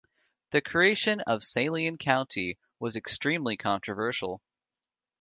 The creation of Saline County was extremely controversial.